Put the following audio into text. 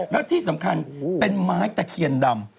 แล้วที่สำคัญเป็นไม้ตะเคียนดำ